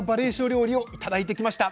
料理を頂いてきました。